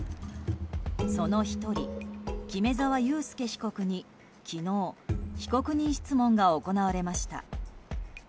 その１人、木目沢佑輔被告に昨日被告人質問が行われました。